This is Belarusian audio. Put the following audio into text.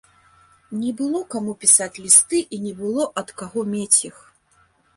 Не было каму пісаць лісты і не было ад каго мець іх.